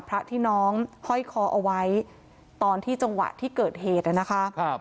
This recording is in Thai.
พระที่น้องห้อยคอเอาไว้ตอนที่จังหวะที่เกิดเหตุนะคะ